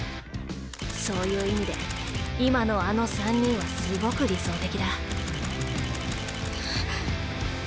そういう意味で今のあの３人はすごく理想的だ。